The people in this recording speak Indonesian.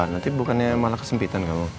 nanti bukannya malah kesempitan kamu